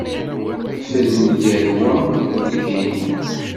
Fren gar wa ed wihin.